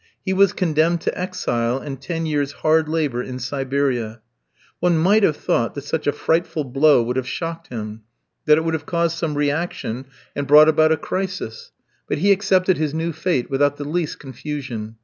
He was condemned to exile and ten years' hard labour in Siberia. One might have thought that such a frightful blow would have shocked him, that it would have caused some reaction and brought about a crisis; but he accepted his new fate without the least confusion.